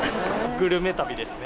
グルメ旅ですね。